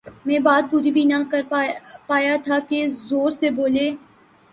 میں بات پوری بھی نہ کرپا یا تھا کہ زور سے بولے